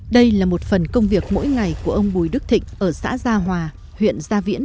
đây là một phần công việc mỗi ngày của ông bùi đức thịnh ở xã gia hòa huyện gia viễn